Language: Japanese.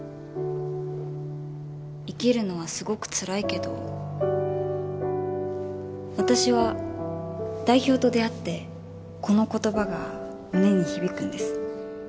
生きるのはすごくつらいけど私は代表と出会ってこの言葉が胸に響くんです。